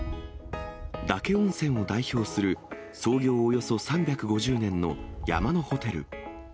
嶽温泉を代表する、創業およそ３５０年の山のホテル。